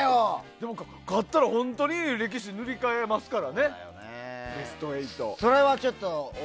でも、勝ったら本当に歴史を塗り替えれますからね。